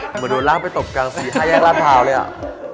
เหมือนโดนราศน์ไปตบกาง๔๕แห้งแรงพาวเลยอะ